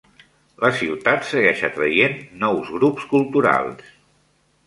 La ciutat segueix atraient nous grups culturals.